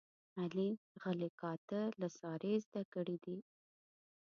علي غله کاته له سارې زده کړي دي.